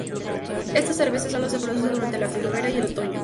Esta cerveza solo se produce durante la primavera y el otoño.